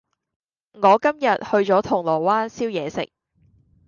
我今日去咗銅鑼灣燒嘢食